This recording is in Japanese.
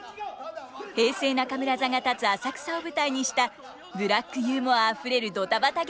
平成中村座が立つ浅草を舞台にしたブラックユーモアあふれるドタバタ劇です。